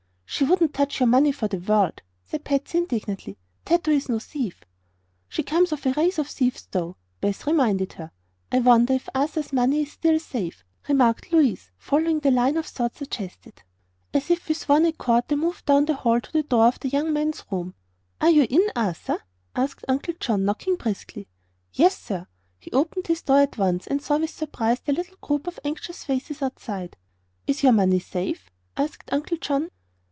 "She wouldn't touch your money for the world!" said Patsy, indignantly. "Tato is no thief!" "She comes of a race of thieves, though," Beth reminded her. "I wonder if Arthur's money is still safe," remarked Louise, following the line of thought suggested. As if with one accord they moved down the hall to the door of the young man's room. "Are you in, Arthur?" asked Uncle John, knocking briskly. "Yes, sir." He opened his door at once, and saw with surprise the little group of anxious faces outside. "Is your money safe?" asked Uncle John.